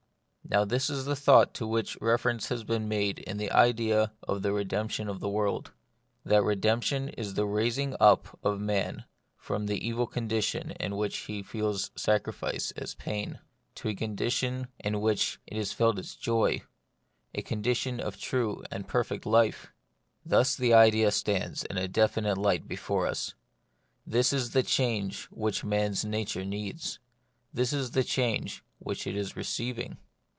Now this is the thought to which reference has been made in the idea of the redemption of the world. That redemption is the raising up of man from the evil condition in which he feels sacrifice as pain, into a condition in The Mystery of Pain. 59 which it is felt as joy, a condition of true and perfect life. Thus the idea stands in a definite light be fore us. This is the change which man's nature needs : this is the change which it is receiving.